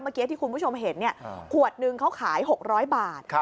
เมื่อกี้ที่คุณผู้ชมเห็นขวดนึงเขาขาย๖๐๐บาท